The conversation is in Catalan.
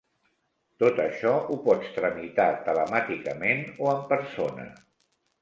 Tot això ho pots tramitar telemàticament o en persona.